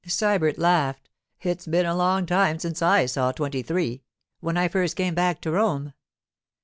Sybert laughed. 'It's been a long time since I saw twenty three—when I first came back to Rome.